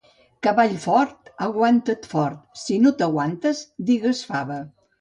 Cavall fort, aguanta't fort, si no t'aguantes, digues fava.